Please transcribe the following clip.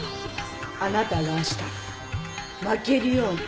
あなたがあした負けるように。